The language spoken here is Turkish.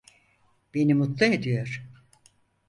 Beni mutlu ediyor.